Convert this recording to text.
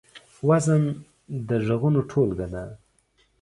وزن د غږونو ټولګه ده.